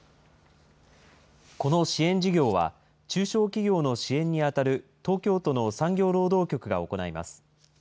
この支援事業は、中小企業の支援にあたる東京都の産業労働局が行います。